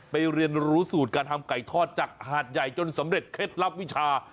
เรียนรู้สูตรการทำไก่ทอดจากหาดใหญ่จนสำเร็จเคล็ดลับวิชา